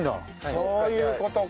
そういう事か！